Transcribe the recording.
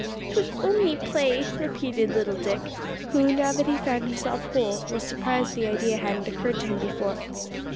"'Twas only play," repeated little Dick, who, now that he found himself whole, was surprised the idea hadn't occurred to him before.